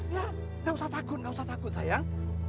ya nggak usah takut nggak usah takut sayang